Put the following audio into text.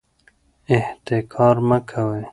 احتکار مه کوئ.